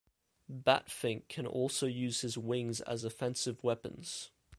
Batfink can also use his wings as offensive weapons.